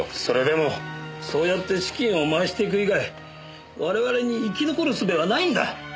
それでもそうやって資金を回していく以外我々に生き残るすべはないんだ！